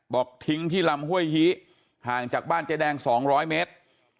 บอกทิ้งที่ลำห้วยฮีห่างจากบ้านใจแดงสองร้อยเมตร